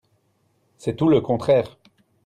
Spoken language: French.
C’est tout le contraire.